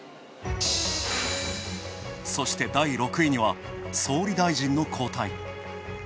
そして第６位には総理大臣の交代。